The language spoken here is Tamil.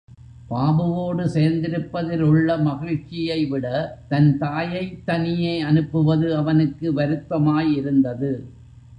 பாபுவோடு சேர்ந்திருப்பதில் உள்ள மகிழ்ச்சியை விட தன் தாயைத் தனியே அனுப்புவது அவனுக்கு வருத்தமாய் இருந்தது.